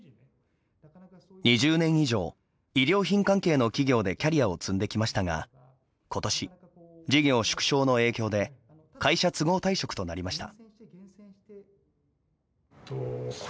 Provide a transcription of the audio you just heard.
２０年以上衣料品関係の企業でキャリアを積んできましたが今年事業縮小の影響で会社都合退職となりました。